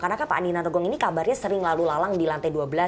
karena pak andi narawong ini kabarnya sering lalu lalang di lantai dua belas